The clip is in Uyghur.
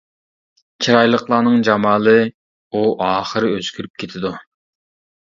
چىرايلىقلارنىڭ جامالى، ئۇ ئاخىرى ئۆزگىرىپ كېتىدۇ.